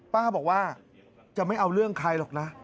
ป้าบอกว่าจะไม่เอาเรื่องใครหรอกนะ